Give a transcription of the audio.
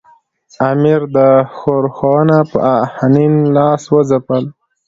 امیر دا ښورښونه په آهنین لاس وځپل.